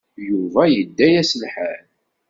Yuba yedda-as lḥal.